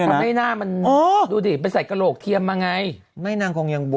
ข้นไหนน่ะดูสิใส่กะโหลกเชแยมครับ